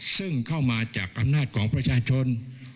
ซึ่งเข้ามาจากอำนาจของประชาชน